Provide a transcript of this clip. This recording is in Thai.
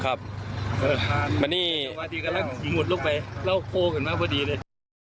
อาทิตย์กำลังหิมุดลงไปแล้วโฟล์กันมาพอดีเลย